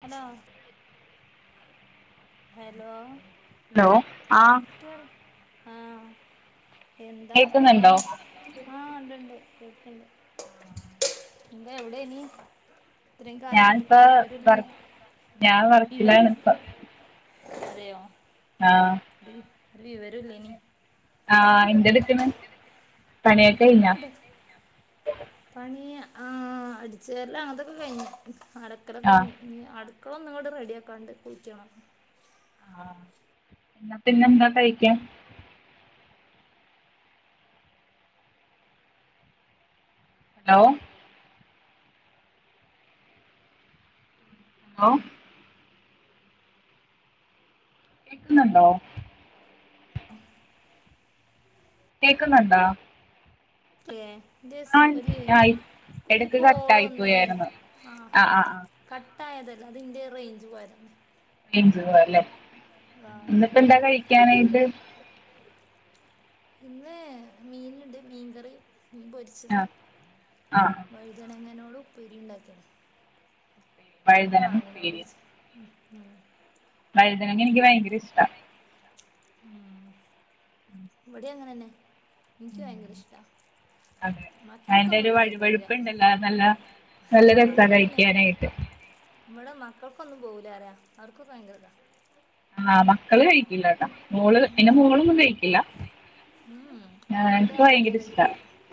Hello hello ആ ആ എന്താ വർത്താനം ആഹ് ഇണ്ട്ണ്ട് കേക്കണ്ട് എന്താ എവിടെ നീ ഞാനിപ്പ വർ ഞാൻ വർക്കിലാണ് ഇപ്പം അതെയോ ആഹ് ഒര് വിവരുല്ലെനി ആഹ് എന്തെടുക്ക്‌ണ് ഇവിടെണ്ട് പണിയ ആഹ് അടിച്ചുവാരല് അങ്ങനത്തൊക്കെ കയിഞ്ഞ് അലക്കലൊക്കെ കയിഞ്ഞ് ഇനി അടു ക്കള ഒന്നഅങ്ങട്ട് റെഡി ആക്കാണ്ട് കുളിക്കണം ആ ന്നാ പിന്നെ എന്താ കഴിക്കാൻ ഹലോ ലോ കേക്കുന്നുണ്ടോ ആഹ് കേക്കുന്നുണ്ടാ കേ ഒര് ഒരു കോള് വന്നതേനി ആഹ് ക ട്ടായതല്ല അതിന്റെ റേഞ്ച് പോയതാ റേഞ്ച് പോവാലെ ഇന്ന്പ്പം എന്താ കഴിക്കാനായിട്ട് ഇന്ന് മീനിണ്ട് മീൻകറി മീൻ പൊരിച്ചത് വഴുതനങ്ങനോ ഉപ്പേരിയും ഉണ്ടാക്കിണ് പിന്നെ മാങ്ങനോട് ഒര് ച വഴുതനങ്ങ എനിക്ക് ഭയങ്കര ഇഷ്ടാ ഉം ഇവിടെം അങ്ങനെന്നെ ഇൻക് ഭയങ്കര ഇഷ്ടാ അതെ അതിന്റെ ഒരു വഴിവഴുപ്പ്ണ്ടല്ലോ നല്ല നല്ല രസാ കഴിക്കാനായിട്ട് ഇവടെ മക്കൾക്കൊന്നും പോകൂല പറിയ അവർക്കൊക്കെ ഭയങ്കര ഇതാ ആ മ മക്കള് കഴിക്കില്ല കേട്ടാ മോള് എന്റെ മോളൊന്നും കഴിക്കില്ല എനിക്ക് ഭയങ്കര ഇഷ്ടാ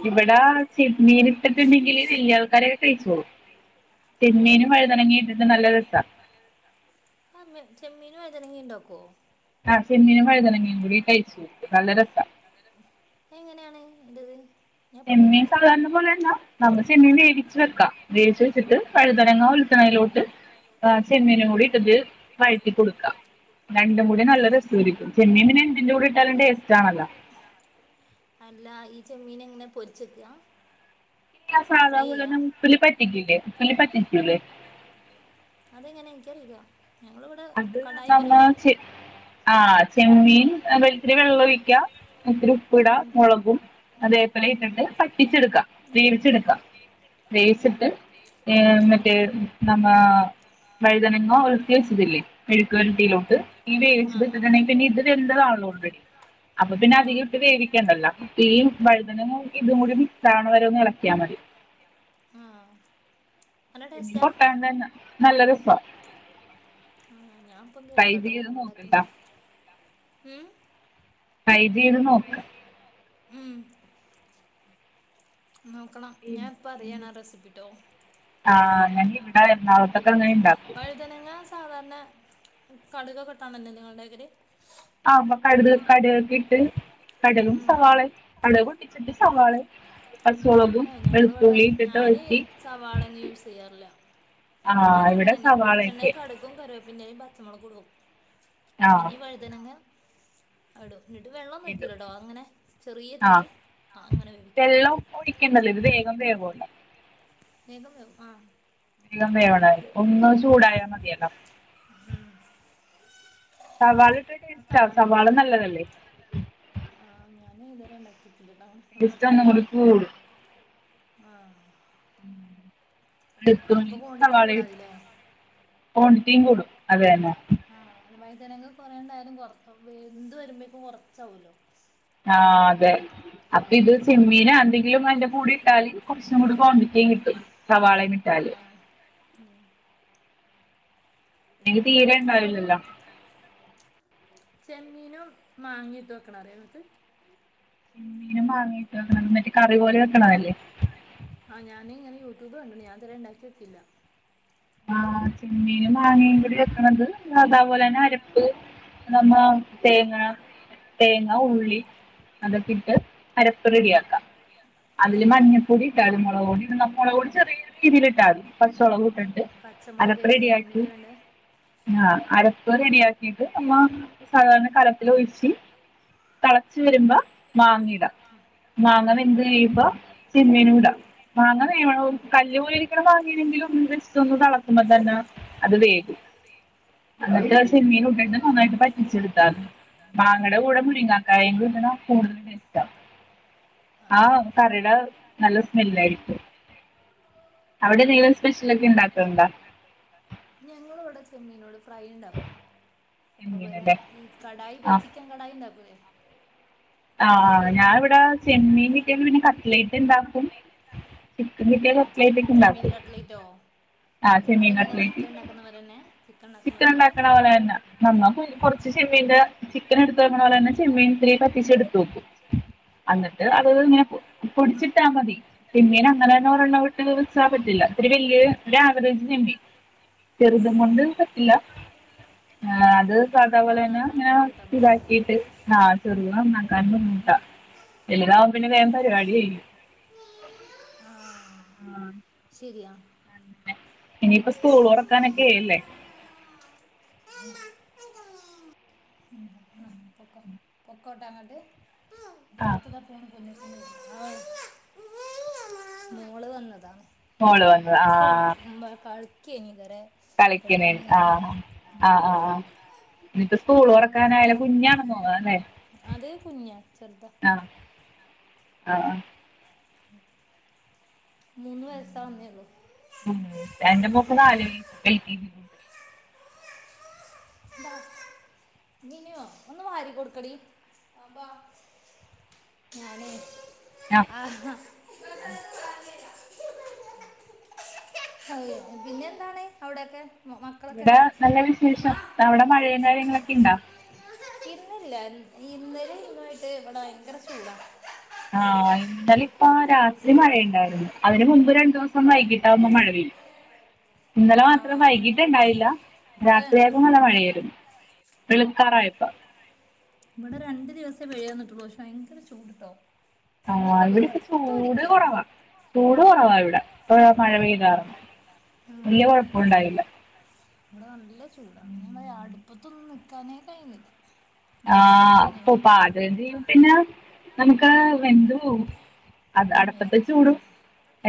ഇവിടെ ചെമ്മീൻ ഇട്ടിട്ടുണ്ടെങ്കില് വല്യ ആൾക്കാരൊക്കെ കഴിച്ചോളും ചെമ്മീന് വഴുതനങ്ങയിട്ടിട്ട് നല്ല രസാ ചെമ്മീനും വഴുതനങ്ങി ഇണ്ടാക്കോ ആ ചെമ്മീനും വഴുതനങ്ങേ കൂടി കഴിച്ചു നോക്ക് നല്ല രസാ അയി ന്റത് ചെമ്മീൻ സാധാരണ പോലെ അല്ല നമ്മള് ചെമ്മീൻ വേവിച്ച് വെക്കാ വേവിച്ച് വെച്ചിട്ട് വഴുതനങ്ങ ഉലത്ത്ണയിലോട്ട് ചെമ്മീനും കൂടി ഇട്ടിട്ട് വഴറ്റി കൊടുക്കാ രണ്ടും കൂടി നല്ല രസമായിരിക്കും ചെമ്മീൻ പിന്നെ എന്തിന്റെ, കൂടെ ഇട്ടാലും ടേസ്റ്റ് ആണല്ലോ ചെമ്മീൻ എങ്ങനെ പൊരിച്ച് വെക്കാ? ങ സാധാവ പോലന്നെ മുപ്പില് പറ്റിക്കൂലേ ഉപ്പില് പറ്റിക്കൂലേ? [unintelligible] അത് നമ്മ ചെ ആ ചെമ്മീൻ ങ വെളത്തിരി വെള്ളം ഒഴിക്കാ, ഇത്തിരി ഉപ്പിഇട, മുളകും അതേപോലെ ഇട്ടിട്ട് പട്ടിച്ചെടുക്കാ വേവിച്ചെടുക്കാ വേവിച്ചിട്ട് മ് മറ്റേ നമ്മ വഴുതനങ്ങോ ഉലുത്തി വെച്ചതില്ലേ? മെഴുക്കുവരട്ടിയിലോട്ട് ഇത് ട്ടിട്ടുണ്ടെങ്കിൽ പിന്നെ ഇത് രണ്ടു ആവുന്നുള്ളു അപ്പൊ പിന്നെ അധികം ഇട്ട് വേവിക്കേണ്ടല്ലോ തീയും, വഴുതനങ്ങും, ഇതും കൂടി മിക്സ് ആകണ വരെ ഒന്ന് ഇളക്കിയാ മതി. ഇതി പൊട്ടൻ തന്നെ നല്ല രസ ഇപ്പം കേൾക്കാട്ടോന്ന് റെയ്ൻജ് ഇല്ല മൂ പൈ ചെയ്ത് നോക്ക മ് നോക്കണം ഞാൻ ഇപ്പ അറിയാണ് ആ റേസിപ്പിട്ടോ മല്ലിപൊടി ആ എറണാകുത്തൊക്കെ അങ്ങനെ ഇണ്ടാക്കും കടുകൊക്കെ ഇട്ടാണല്ലോ നിങ്ങടെ ഇതില്ല് ആമ് കടുക് മ് കടു കൊക്കെ ഇട്ട് കടുകും സവാളയും കടു പൊട്ടിച്ചിട്ട് സവാളെയും പച്ചമുളകും ആ ഞങ്ങളിവിടെ ഞാന് സവാളയെന്നും യൂസ് ചെയ്യാറില്ല ഞാന് അങ്ങനെ തന്നെ വെളിച്ചെണ്ണയും കടുക്കും കറിവേപ്പിന്റെ ഇലെയും പച്ചമുളകും ഇടും പിന്നീ വഴുതനങ്ങ അടു എന്നിട്ട് വെള്ളം വേക്കൂലട്ടോ അങ്ങനെ ചെറിയ തീര് അങ്ങനെ വേവിക്കും വെള്ളം ഒഴിക്കണ്ടല്ലോ ഇത്‌ വേഗം വെവൂവോ വേഗം വേവും ഇല്ലമ്മേ ഇവിടെ ഒന്ന് ചൂടായാ മതിയല്ല. സവാളിട്ട് ടേസ്റ്റാ സവാള നല്ലതല്ലേ. ണ്ടാക്കി. [unintelligible] കൊടുക്കൂ ആഹ്. മ്. [unintelligible] സവാളയും ഒണി റ്റീം കൂടും അതെ തന്നെ വഴുതനങ്ങ കുറേണ്ടായാലും കുറ വെന്തു വരുമ്പോഴക്കും കുറച്ചാവുല്ലോ. ആഹ് അതെ അപ്പ ഇത് ചെമ്മീന എന്തെങ്കിലും അതിന്റെ കൂടി ഇട്ടാല് കുറച്ചും കൂടി ക്വാണ്ടിറ്റിയയും കിട്ടും സവാളേയും ഇട്ടാല് ഇല്ലങ്കി തീരെ ഉണ്ടാവില്ലല്ലോ. ചെമ്മീനും മാങ്ങിട്ട് വെക്കണ അറിയ നിങ്ങക്ക്. മീനും മാങ്ങയിട്ട് കറി പോലെ വെക്കണ അല്ലേ. ട്യൂബ് കണ്ട്ണ് ഞാൻ ഇതുവരെ ഉണ്ടാക്കി നോക്കില്ല. ആ ചെമ്മീനും മാങ്ങയും കൂടി വെക്കണത് സാധാപോലെന്നെ അരപ്പ് നമ്മ തേങ്ങ തേങ്ങ, ഉള്ളി അതൊക്കെ ട്ട് അരപ്പ് റെഡിയാക്കാം അതില് മഞ്ഞപ്പൊടി ഇട്ടാലും മുളക് പൊടി മുളക് പൊടി ചെറിയ ഒരുരീതിയിലിട്ടാതി പച്ചോളക് ആ പച്ചമോളകെ [unintelligible] മുന്നിട്ട് വേണ്ടേ അരപ്പ് റെഡിയാ- കിട്ട് അങ്ങ സാധാരണ കലത്തിലൊയിച്ചി തെളച്ച് വരുമ്പോ മാങ്ങയിടാം മാങ്ങ വെന്ത് കയിമ്പോ ചെമ്മീനും ഇടാം മാങ്ങ വേവണോം കല്ല് പോലിരിക്കണ മാങ്ങയണെങ്കിലും തളക്കുമ്പോ തന്നെ അത് വേവും എന്നിട്ട് ചെമ്മീനുമിട്ടിട്ട് നന്നായിട്ട് പറ്റിച്ചെടുത്താ മതി മാങ്ങടെ കൂടെ മുരിങ്ങാക്കായെയും കൂടെ ഇടണ കൂടുതലും ടേസ്റ്റ്ആ ആഹ് കറിടാ നല്ല സ്മെല്ലാരിക്കും അവിടെ [unintelligible] സ്പെഷ്യലക്കെ ഉണ്ടാക്കണ്ടോ ചെമ്മീനോട ഫ്രൈ ഉണ്ടാക്കും അപോരെ ഈ കടായി പോ ചിക്കൻ കടായി ഉണ്ടാക്കുല്ലേ ആഹ് ഞാനിവടെ ചെമ്മീൻ കിട്ടിയാ പിന്നെ കട്ലേറ്റ് ഇണ്ടാക്കും ചെമ്മീൻ കിട്ടിയാ കട്ട്ലേറ്റൊക്കെ ഇണ്ടാക്കും. അതെങ്ങനെയാ ചിക്കൻ ഇണ്ടാക്കുന്ന പോലെന്നെ ചിക്കൻ ഇണ്ടാക്കണ പോല തന്നെ നന്ന കൊറച്ച് ചെമ്മീന്റെ ചിക്കൻ എടുത്ത് വെക്കണ പോലെന്നെ ചെമ്മീൻ ഇത്തിരി പ പിച്ചെടുക്കും അന്ന്ട്ട് അത് ഇങ്ങനെ പൊടിച്ചിട്ടാ മതി ചെമ്മീൻ അങ്ങനെ തന്നെ ഒരെണ്ണം വിട്ട് വിച്ചാ പറ്റില്ല ഒത്തിരി വല്യയ ഒരു ആവറേജ് ചെമ്മീ ചെറുതും കൊണ്ട് അത് സാധാ പോലെ തന്നെ അങ്ങനെ വറുത്ത് ഇതാക്കിട്ട് ആ ചെറുത് നന്നാക്കാൻ ബുദ്ധിമുട്ടാ വല്താവു പിന്നെ വേഗംപരിപാടി കഴിയും ആ ആ ഇനിയിപ്പം സ്കൂൾ തുറക്കാനൊക്കെയായില്ലേ [unintelligible] പൊക്കോട്ടങ്ങട്ട് ആ താത്തതാ ഫോൺ [unintelligible] ആ മോള് വന്നതാ മോള് വന്ന് ആ [unintelligible] കളിക്കല് ആ ആ ആ ആ സ്കൂള് തുറക്കാനായിലെ കുഞ്ഞാണ് തോന്നണല്ലേ അത് കുഞ്ഞാ ചെർതാ അ ആ മൂന്ന് വയസാവുന്നേയോള്ളു എന്റെ മോക്ക്‌ നാല് വയസ്സ് എൽകേജി ന്താ നിനു ഒന്ന് വാരി കൊടുക്കടി ഞാനെ ആ ഹാ അള്ളാ പിന്നെ എന്താണ് അവിടെയൊക്കെ ഇവിടെ നല്ല വിശേഷം അവിടെ മഴയും കാര്യങ്ങളൊക്കെ ഇണ്ടാ ഇല്ല ഇല്ല ഇന്നലെ ഇന്നുആയിട്ട് ഇവിടെ ഭയങ്കര ചൂടാ ആ ഇന്നലെ ഇപ്പ രാത്രി മഴയുണ്ടായിരുന്നു അതിന് മുമ്പ് രണ്ടു ദിവസം വൈകിട്ടാവുമ്പോ മഴ പെയ്തെ ഇന്നലെ മാത്രം വൈകിട്ട് ഇണ്ടായില്ല രാത്രിയായപ്പോ നല്ല മഴയായിരുന്നു വെളുക്കാറായപ്പോ ആ ഇവിടെ രണ്ടു ദിവസേ വെയില് വന്നിട്ടോള്ളൂ പക്ഷേ ഭയങ്കര ചൂട് ട്ടോ ആ ഇവിടെ ഇപ്പ ചൂട് കുറവാ ചൂട് കുറവാ ഇവിടെ ഇപ്പോഴാ മഴ പെയ്താർന്നോ വൽയ കൊഴപ്പം ഇണ്ടായില്ല ഇവടെ നല്ല ചൂടാണ് ഞാൻ പറയാ അടുപ്പത്തൊന്നും പണിയൊക്കെ കഴിഞ്ഞ് ആ പു പാചകം ചെയ്യും പിന്നെ നമുക്ക് വെന്തു പോവും അത് അട്പ്പത്തെ ചൂടും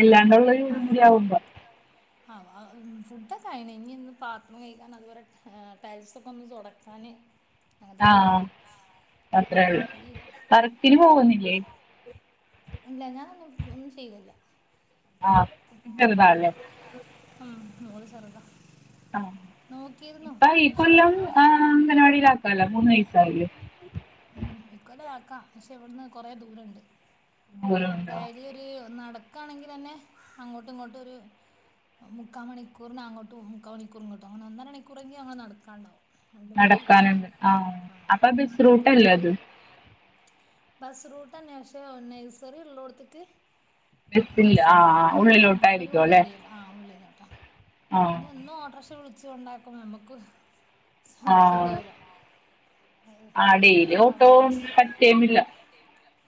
എല്ലാണ്ടുള്ള ചൂടും കൂടി ആവുമ്പോ ഫുഡൊക്കഴിഞ്ഞ് ഇനി ഇന്ന് പാത്രം കഴുകാൻ അതുപോലെ ടൈൽസ്‌ ഒക്കെ ഒന്ന് തൊടയ്ക്കാന് ആ [inaudible] ത്രേയുള്ളൂ വർക്കിന്‌ പോകുന്നില്ലേ ഇല്ല ഞാനൊന്നും ഒന്നും ചെയ്യുന്നില്ല ആ [unintelligible] മോള് ചെറുതാ ആ ഇപ്പ ഈ കൊല്ലം ആ അംഗനവാടിയിൽ ആക്കാല്ലോ മൂന്ന് വയസ്‌ സായില്ലേ [unintelligible] ക്കാ ക്ഷെ ഇവിടുന്ന് കൊറെേദൂരണ്ട് ഡെയിലി ഒരു നട ക്കാണെങ്കിലെന്നെ ന്നെ അങ്ങോട്ടും ഇങ്ങോട്ടും ഒരു മുക്കാ മണിക്കൂറിന് അങ്ങോട്ടും മുക്കാ മണിക്കൂറിന് ഇങ്ങോട്ടും അങ്ങനെ ഒന്നര മണിക്കൂറെങ്കിലും അങ്ങനെ നടക്കാണ്ടാവും നടക്കാനുണ്ട് ആ അപ്പൊ പി റൂട്ടല്ലത് ബസ് റൂട്ട് തന്നെ ക്ഷേ നഴ്സറി ഇള്ളോട്ത്ത്ക്ക് ബസ്സൊന്നും പോവില്ല ആ ഒരു ഉള്ളേരിയേലാ ആ ഉള്ളേരിയലോട്ടാ പിന്നെ എന്നും ഓട്ടോറിക്ഷ വിളി ച്ച് ഒണ്ടാക്കും നമ്മുക്ക് ആ ആ ഡെയ്ലി ഓട്ടോവും പറ്റു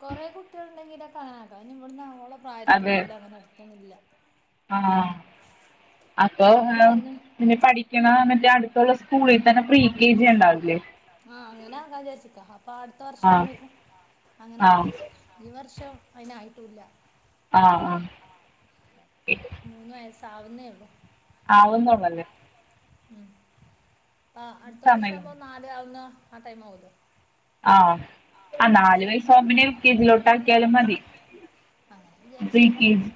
കൊറെേ കുട്ടികൾ ഉണ്ടെങ്കില് [unintelligible] ഇവിടുന്ന് അങ്ങോളം പ്രായത്തിലുള്ളൊര് അങ്ങനെ ഒന്നുമില്ല ആ അപ്പൊ പിന്നെ പഠിക്കണതെങ്ങ ന്റെ അടുത്തുള്ള സ്കൂളി [unintelligible] ആ അങ്ങനെ ആക്കാം ന്ന്‌ വിചാരിച്ചിക്ക അപ്പൊ അടുത്ത വർഷം ആവുമ്പേക്കും അങ്ങനെ ആക്കാന്നു വച്ചു ഈ വർഷം അയിനായിട്ടുല്ല ആ ആ [inaudible] മൂന്ന് വയസ് ആവുന്നേ ഉള്ളു ആവുന്നൊള്ളല്ലേ ഉം ആ അടുത്ത വർഷം ആവുമ്പോ നാല് ആവുന്ന ആ ടൈം ആവൂലോ ആഹ് ആ നാല് [unintelligible] എൽ കെ ജിലോട്ടാക്കിയാലും മതി, പ്രീ കെ ജി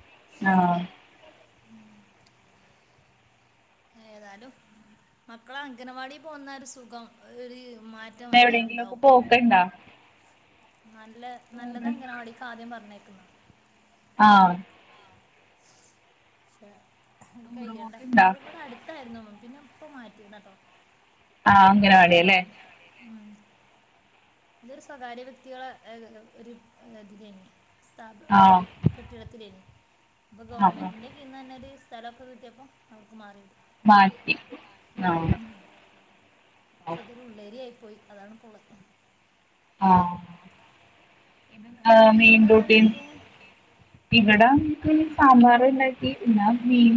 ആഹ് ഏതാലും മക്കള അംഗനവാടി പോവുന്ന ആ ഒരു സുഖം അത് ഒര് മാറ്റം എന്താലും ഇണ്ടാവും, നല്ല നല്ലത് അംഗനവാടിക്ക് ആദ്യം പറഞ്ഞയ ആഹ് [unintelligible] കയ്യണ്ടേ ഇമ്മള് ഇവടെ അടുത്തായിരുന്നു മ പിന്നെ ഇപ്പ മാറ്റീതാട്ടോ ഇപ്പൊ സ്ഥലം അംഗനവാടി ലേ ഉം ഇതൊരു സ്വകാര്യ വ്യക്തികളെ ഏഹ് ക ക ഒരു ഇതി തന്നെ സ്ഥാപകര് കെട്ടിടത്തിലാനു ഇപ്പൊ ഗവൺമെന്റിന്റെക്കീന്നന്നെ ഒരു സ്ഥലൊക്കെ കിട്ടിയപ്പോം അവർക്ക് മാറി മാറ്റി ആഹ്‌ ചതുരുള്ളേരിയായി പോയി അതാണ് പുള ആഹ്‌ പിന്ന ആഹ് മെയിൻ റോട്ടി ഇവിടം പിന്നെ സാമ്പാറന്നെ [unintelligible] പിന്നെ മീൻ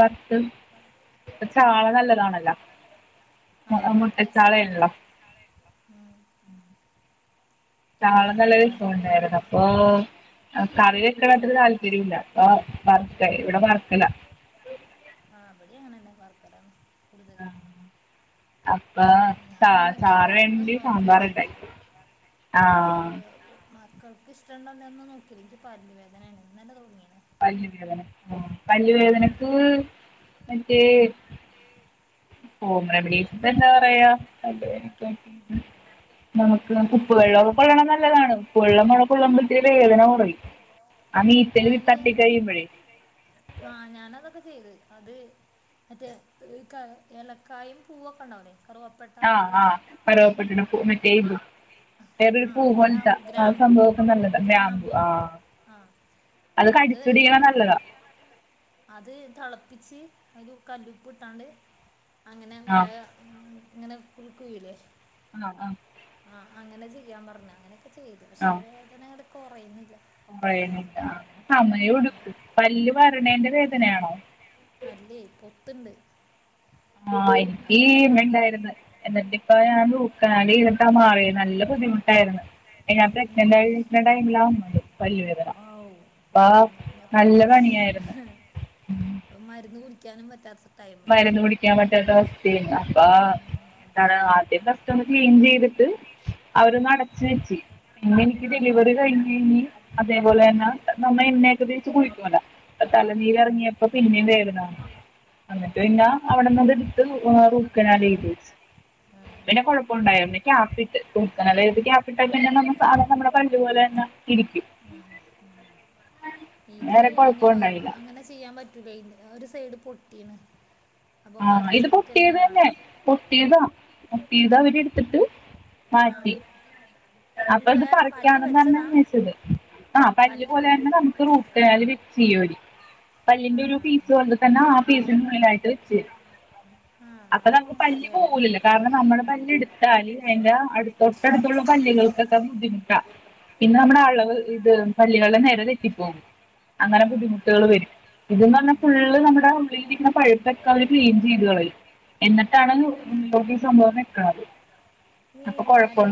വറ്ത്തത് ചാള നല്ലതാണല്ലോ മുട്ടച്ചാള ആണല്ലോ താളം നല്ല രസം ഒണ്ടായിരുന്നു അപ്പൊ ആ കറി വെക്കല് താല്പര്യം ഇല്ല അപ്പൊ വർക്ക ഇവിടെ വർക്കല വിടെ അങ്ങനെ തന്നാ വറക്കലാ അപ്പ ചാ ചാറ് വേണ്ടി സാമ്പാറിണ്ടാക്കി ആഹ്‌ ക്കൾക്ക് ഇഷ്ടമണ്ടോന്ന് ഒന്ന് നോക്കിയില്ല എനിക്ക് പല്ല് വേദനാണ് ഇന്നലെ തൊടങ്ങിയാണ് പല്ല് വേദന പല്ല് വേദനക്ക് മറ്റേ- ഉം [unintelligible] ഓ റെമടീസ് ഇപ്പൊ എന്താ പറയാ അതെ [unintelligible] നമുക്ക് ഉപ്പ് വെള്ളമൊക്കെ കൊള്ളണത് നല്ലതാണ് ഉപ്പ് വെള്ളം നമ്മള് കൊള്ളുമ്പോഴത്തേ വേദന കുറയും ആ നീറ്റൽത്തട്ടി കഴിയുമ്പോഴേ- ചെയ്ത് അത് മറ്റേ ഇഏലക്കായും പൂവൊക്കെ ഉണ്ടാവലെ ആഹ് ആ് പവപ്പെട്ടണ മറ്റേ വേറൊരു പൂവലത്താ ആ സംഭവൊക്കെ നല്ലതാ ബാമ്പു ആഹ അത് കടിച്ചുടിക്കണ നല്ലതാ കപ്പിച്ച് അതി കല്ലുപ്പ് ഇട്ടാണ്ട് അങ്ങനെ വഴ ഇങ്ങനെ ഉടുക്കയിലേ ആഹ് ആഹ ആഹ അങ്ങനെ ചെയ്യാൻ പറഞ്ഞു അങ്ങനെ ചെയ്തു പക്ഷേ വേദനകടെ കുറയുന്നില്ല നെയാണോ അല്ലേ പൊത്തണ്ട് ആഹ എനിക്ക് ഇ ഇണ്ടായിുന്ന എന്നിട്ട് ഇപ്പ ഞാൻ തൂക്കന ഇിട്ടാ മാറി ല്ലുദ്ധിമു് ായിരുന്നു ഞാൻ പ്രഗ്നന്റ് ആയിക്കുന്ന ടൈമിലാവുന്നുത് വല്ുവിതര അപ്പ നല്ല പണിയായിരുന്നു ിക്കാനും പറ്റാത്ത മരുന്ന് കുടിക്കാൻ പറ്റാത്ത അവസ്ഥയല്ല അപ്പൊ എന്താണ് ആദ്യം തൊണൂറ്റി അഞ്ചച് ചെയ്രത്ത് അവര് അടച്ച വെച്ചി പിന്നെ എനിക്ക് ഡെലിവറി കഴിഞ് കഴിഞ്ഞഞ് അതേപോലെ തന്നെ നമ്മൾ എന്നെക്ക കുള തട തലനീല ഇറങ്ങിയപ്പോ പിന്നെയ വുന്ന എന്നിട്ട് ാ അവിടെന്ന്ത് എടുത്ത് കണി പിന്നെ കൊഴപ്പുണ്ടായിുന്ന ക്യാി്ടുക്കത് ക്യാപിറ്റൽ പിന്നെ ന സാധം നമ്മുടെ പല്ലുപലെ തന്നെ ഉ ഇത് ഒരു സൈഡ് പൊട്ടീന്ന് ആഹ ഇത് പൊട്ടിയത് തന്നെ പൊട്ടിയതാ മട്ടീ ഇതാവിടെ എടുത്തിട്ട് മാറ്റി അപ്പൊ ഇത് പറിക്കാണെന്ന്ന്ന അന്വച്ചത് ആ പല്ലല് പോലെ തന്നെ നമുക്ക് റൂട്ടുകല് സോരി പല്ലിന്റെ ഒരു പീസ് കൊണ്ട് തന്നെ ആ പീസിന് മുന്നിലായിട്ട് അപ്പൊ നമുക്ക് പല്ലി പോവല കാരണം നമ്മള് പല്ലി എടുത്തല് [inaudible] പിന്നെ നമ്മുടെ അളവ് ഇത് പല്ലികളെ നിര തെറ്റിപ്പോകും അങ്ങനെ ബുദ്ധിമുട്ടുകൾ വരും ഇതന്ന് പറഞ്ഞാ ഫുള്ള് നമ്മുടെ ഉള്ളിരിക്കുന്ന പഴു അവര് ക്ലീൻ ചെയ്തി എന്നിട്ടാണ്ക്ക് ഈ സംഭവം വെക്കത് അപ്പൊ കൊഴപ്പുണ്ട്